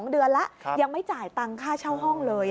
๒เดือนแล้วยังไม่จ่ายตังค่าเช่าห้องเลย